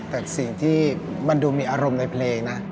แต่สิ่งที่มันดูมีอารมณ์ในเพลงนะ